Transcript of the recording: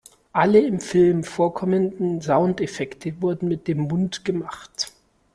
Alle im Film vorkommenden Soundeffekte wurden mit dem Mund gemacht.